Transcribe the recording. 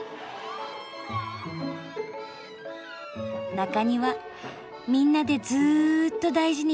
中庭みんなでずっと大事にしてきたんだろうな。